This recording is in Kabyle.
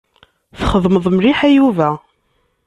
Txedmeḍ mliḥ a Yuba.